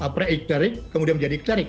pre ekterik kemudian menjadi ekterik